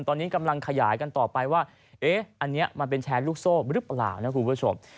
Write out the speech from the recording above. ตอนนี้กำลังขยายกันต่อไปว่าเอ๊ะอันนี้มันเป็นแชร์ลูกโซ่หรือเปล่านะคุณผู้ชม